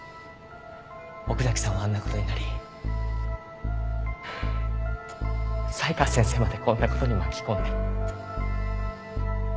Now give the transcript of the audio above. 奥崎さんはあんな事になり才川先生までこんな事に巻き込んで。